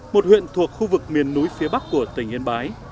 một huyện thuộc khu vực miền núi phía bắc của tỉnh yên bái